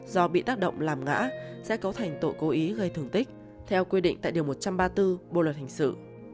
do bị tác động làm ngã sẽ cấu thành tội cố ý gây thương tích theo quy định tại điều một trăm ba mươi bốn bộ luật hình sự